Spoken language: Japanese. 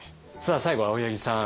最後は青柳さん。